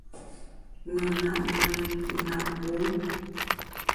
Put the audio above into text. Mùn nap nwer i, wu nap pô.